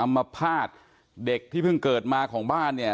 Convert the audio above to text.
มาภาษณ์เด็กที่เพิ่งเกิดมาของบ้านเนี่ย